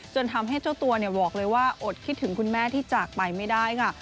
จนทำให้เจ้าตัวบอกเลยว่าอดคิดถึงคุณแม่ที่จากไปไม่ได้ค่ะ